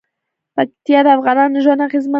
پکتیا د افغانانو ژوند اغېزمن کوي.